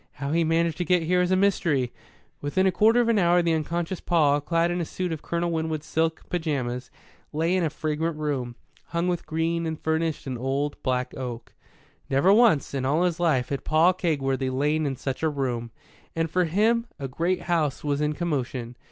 "How he managed to get here is a mystery!" Within a quarter of an hour the unconscious Paul, clad in a suit of Colonel Winwood's silk pyjamas, lay in a fragrant room, hung with green and furnished in old, black oak. Never once, in all his life, had Paul Kegworthy lain in such a room. And for him a great house was in commotion.